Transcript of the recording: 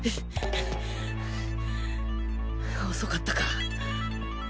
遅かったか